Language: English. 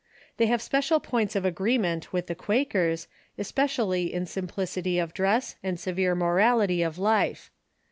They have several points of agreement with the Quakers, especially in simplicity of dress and severe morality of life.